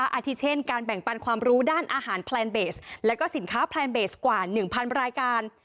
อาทิเช่นการแบ่งปันความรู้ด้านอาหารแพลนเบสแล้วก็สินค้าแพลนเบสกว่า๑๐๐รายการ